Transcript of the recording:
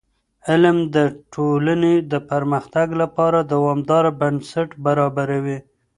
علم د ټولنې د پرمختګ لپاره دوامداره بنسټ برابروي.